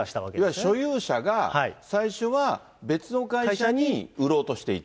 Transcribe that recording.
所有者が、最初は別の会社に売ろうとしていた。